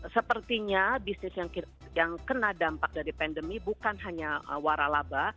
sepertinya bisnis yang kena dampak dari pandemi bukan hanya waralaba